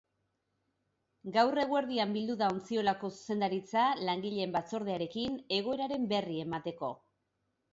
Gaur eguerdian bildu da ontziolako zuzendaritza langileen batzordearekin, egoeraren berri emateko.